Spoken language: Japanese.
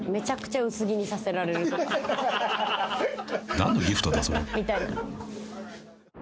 ［何のギフトだそれ］